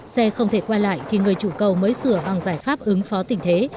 xe không thể qua lại khi người chủ cầu mới sửa hoàng giải pháp ứng phó tỉnh thế